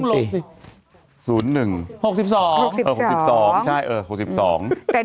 พี่เบิร์ดเกิด๐๑